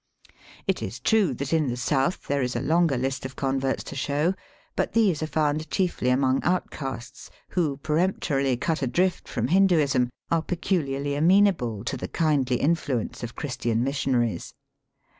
It is true that in the south there is a longer list of converts to show, but these are found chiefly among outcasts who, peremptorily cut adrift from Hinduism, are peculiarly amenable to the kindly influence of Christian missionaries.